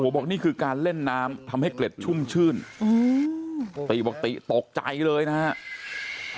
บอกนี่คือการเล่นน้ำทำให้เกล็ดชุ่มชื่นติบอกติตกใจเลยนะครับ